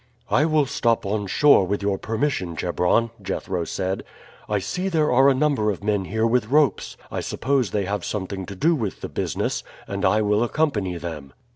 "I will stop onshore, with your permission, Chebron," Jethro said. "I see there are a number of men here with ropes. I suppose they have something to do with the business, and I will accompany them."